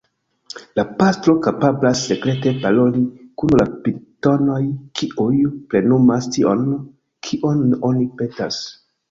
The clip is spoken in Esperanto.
La pastro kapablas sekrete paroli kun la pitonoj kiuj plenumas tion, kion oni petas.